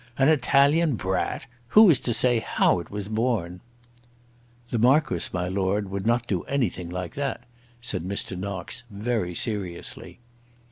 "An Italian brat? Who is to say how it was born?" "The Marquis, my Lord, would not do anything like that," said Mr. Knox, very seriously.